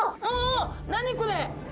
あ何これ！？